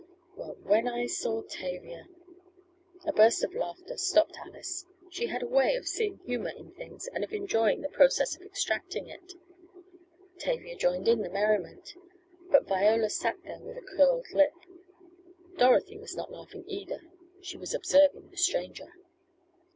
Well, when I saw Tavia " A burst of laughter stopped Alice. She had a way of seeing humor in things and of enjoying the process of extracting it. Tavia joined her in the merriment, but Viola sat there with a curled lip. Dorothy was not laughing either she was observing the stranger.